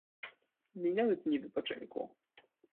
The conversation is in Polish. Minęły dni wypoczynku.